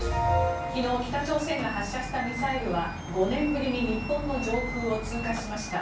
昨日北朝鮮が発射したミサイルは５年ぶりに日本の上空を通過しました。